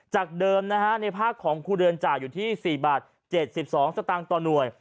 จากเดิมนะฮะในภาคของครูเรือนจ่ายอยู่ที่๔บาท๗๒สตางค์ต่อหน่วย